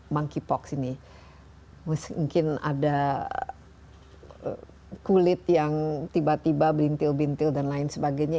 monkeypox ini mungkin ada kulit yang tiba tiba bintil bintil dan lain sebagainya